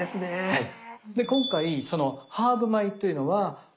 はい。